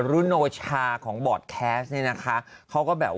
มันยังไงมันยังมึน